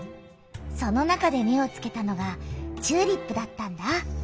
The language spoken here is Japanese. その中で目をつけたのがチューリップだったんだ。